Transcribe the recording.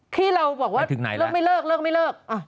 ที่เราบอกว่าไปถึงไหนแล้วเลิกไม่เลิกเลิกไม่เลิก